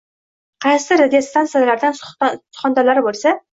Qaysidir radiostansiyalarning suxandonlari boʻlsa